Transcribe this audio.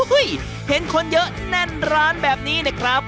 อุ้ยเห็นคนเยอะแน่นร้านแบบนี้นะครับ